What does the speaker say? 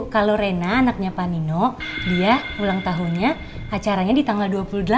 kalau rena anaknya pak nino dia ulang tahunnya acaranya di tanggal dua puluh delapan